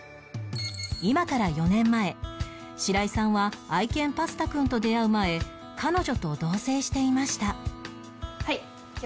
今から４年前白井さんは愛犬パスタくんと出会う前彼女と同棲していました